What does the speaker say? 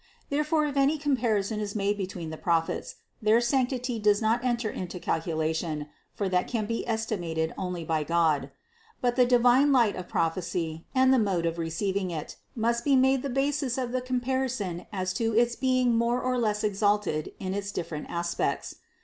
Therefore if any comparison is made between the Prophets, their sanctity does not enter into calculation, for that can be estimated only by God ; but the divine light of prophecy and the mode of receiving it, must be made the basis of the comparison as to its being more or less exalted in its 476 THE CONCEPTION 477 different aspects.